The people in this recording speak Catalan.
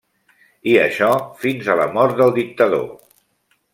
I això fins a la mort del dictador.